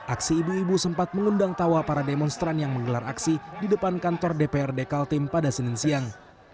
aksi ibu ibu sempat mengundang tawa para demonstran yang menggelar aksi di depan kantor dprd kaltim pada senin siang